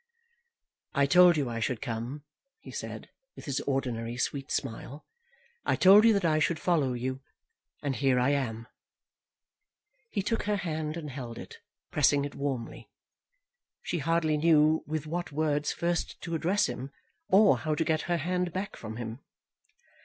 "I told you I should come," he said, with his ordinary sweet smile. "I told you that I should follow you, and here I am." He took her hand, and held it, pressing it warmly. She hardly knew with what words first to address him, or how to get her hand back from him.